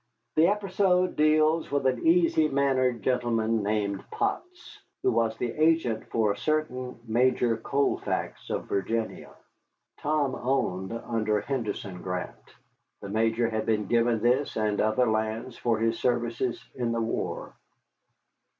The episode deals with an easy mannered gentleman named Potts, who was the agent for a certain Major Colfax of Virginia. Tom owned under a Henderson grant; the Major had been given this and other lands for his services in the war.